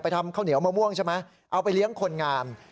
ทำข้าวเหนียวมะม่วงใช่ไหมเอาไปเลี้ยงคนงาน